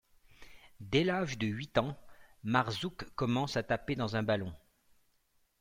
Dès l’âge de huit ans, Marzouk commence à taper dans un ballon.